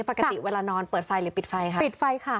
ปกติเวลานอนเปิดไฟหรือปิดไฟค่ะปิดไฟค่ะ